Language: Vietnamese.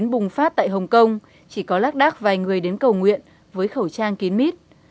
bùng phát tại hồng kông chỉ có lác đác vài người đến cầu nguyện với khẩu trang kín mít